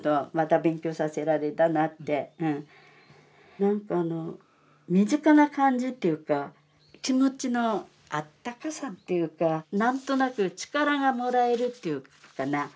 何かあの身近な感じっていうか気持ちのあったかさっていうか何となく力がもらえるっていうかな。